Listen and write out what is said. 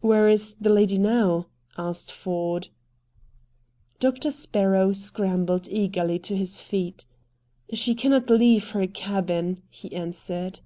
"Where is the lady now?" asked Ford. Doctor Sparrow scrambled eagerly to his feet. "She cannot leave her cabin," he answered.